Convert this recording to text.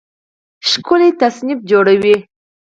ښکلی تصنیف جوړوي